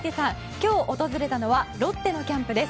今日、訪れたのはロッテのキャンプです。